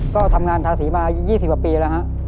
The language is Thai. ก็ทำงานทาสีมา๒๐กว่าปีแล้วฮะ